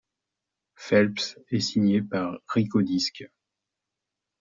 Phelps est signé par Rykodisc.